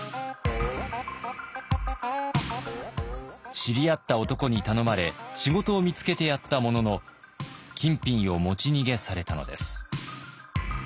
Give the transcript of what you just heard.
知り合った男に頼まれ仕事を見つけてやったものの金品を持ち逃げされたのです。